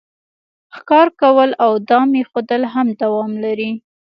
ښکار کول او دام ایښودل هم دوام لري